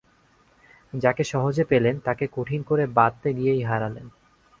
যাকে সহজে পেলেন তাকে কঠিন করে বাঁধতে গিয়েই হারালেন।